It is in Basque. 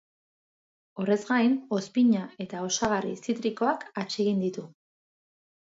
Horrez gain, ozpina eta osagarri zitrikoak atsegin ditu.